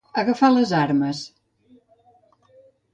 Agafar les armes.